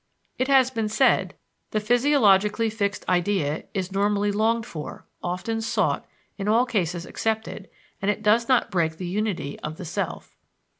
It has been said: "The physiologically fixed idea is normally longed for, often sought, in all cases accepted, and it does not break the unity of the self."